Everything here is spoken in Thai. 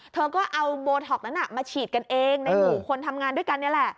เธอก็เอาโบท็อกนั้นมาฉีดกันเองในหมู่คนทำงานด้วยกันนี่แหละ